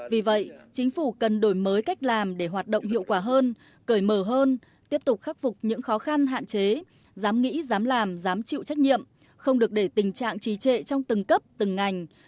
vì vậy chính phủ cần đổi mới cách làm để hoạt động hiệu quả hơn cởi mở hơn tiếp tục khắc phục những khó khăn hạn chế dám nghĩ dám làm dám chịu trách nhiệm không được để tình trạng trì trệ trong từng cấp từng ngành